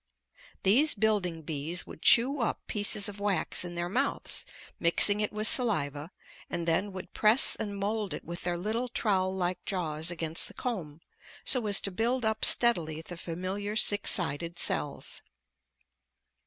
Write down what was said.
These building bees would chew up pieces of wax in their mouths, mixing it with saliva, and then would press and mould it with their little trowel like jaws against the comb, so as to build up steadily the familiar six sided cells.